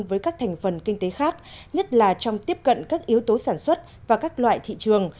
với các thành phần kinh tế khác nhất là trong tiếp cận các yếu tố sản xuất và các loại thị trường